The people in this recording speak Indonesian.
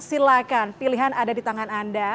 silahkan pilihan ada di tangan anda